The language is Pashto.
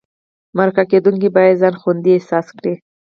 مرکه کېدونکی باید ځان خوندي احساس کړي.